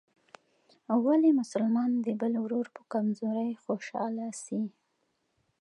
ولي مسلمان د بل ورور په کمزورۍ خوشحاله سي؟